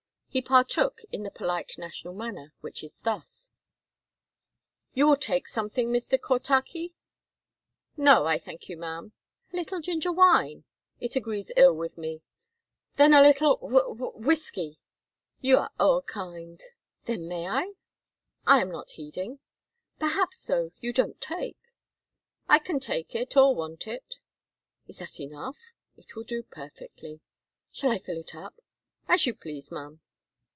He partook in the polite national manner, which is thus: "You will take something, Mr. Cortachy?" "No, I thank you, ma'am." "A little ginger wine?" "It agrees ill with me." "Then a little wh wh whiskey?" "You are ower kind." "Then may I?" "I am not heeding." "Perhaps, though, you don't take?" "I can take it or want it." "Is that enough?" "It will do perfectly." "Shall I fill it up?" "As you please, ma'am."